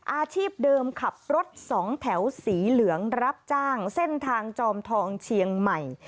อาชีพเดิมขับรถสองแถวสีเหลืองรับจ้างเส้นทางจอมทองเชียงใหม่